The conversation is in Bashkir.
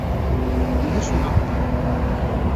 Үҙе шуға ҡыуана.